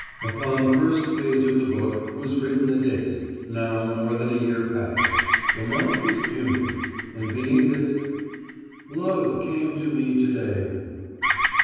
Upon the first page of the book was written a date, now more than a year past, the month was June and beneath it: "Love came to me to day."